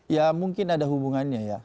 ya mungkin ada hubungannya ya